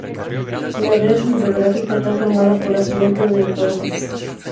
La red hidrográfica está formada por afluentes del Tormes.